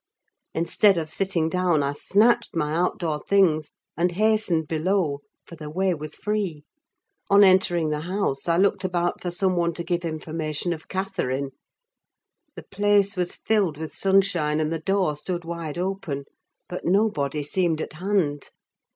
Instead of sitting down, I snatched my outdoor things, and hastened below, for the way was free. On entering the house, I looked about for some one to give information of Catherine. The place was filled with sunshine, and the door stood wide open; but nobody seemed at hand.